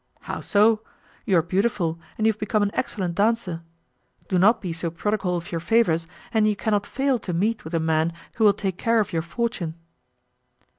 "How so? You are beautiful, and you have become an excellent dancer. Do not be so prodigal of your favours, and you cannot fail to meet with a man who will take care of your fortune."